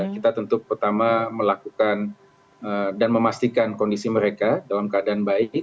kita tentu pertama melakukan dan memastikan kondisi mereka dalam keadaan baik